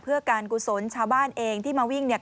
เพื่อการกุศลชาวบ้านเองที่มาวิ่งเนี่ย